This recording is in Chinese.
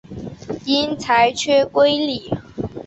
因裁缺归里。